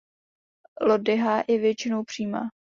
Lodyha je většinou přímá.